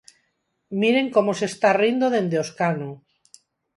Miren como se está rindo dende o escano.